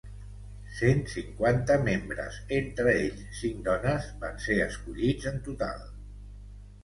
Cent cinquanta membres, entre ells cinc dones, van ser escollits en total.